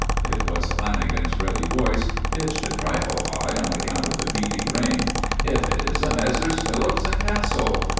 It was Lanagan's ready voice, pitched a trifle high on account of the beating rain. "If it isn't Messrs. Phillips and Castle!